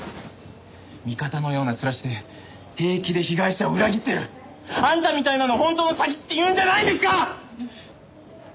味方のような面して平気で被害者を裏切ってるあんたみたいなのを本当の詐欺師って言うんじゃないんですか！？